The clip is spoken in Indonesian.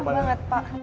maaf banget pak